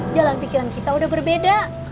jalan pikiran kita udah berbeda